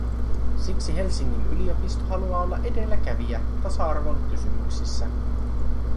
Siksi Helsingin yliopisto haluaa olla edelläkävijä tasa-arvon kysymyksissä.